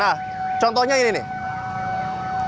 nah contohnya ini nih